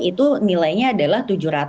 itu nilainya adalah tujuh ratus lima puluh